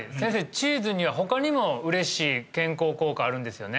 チーズには他にも嬉しい健康効果あるんですよね？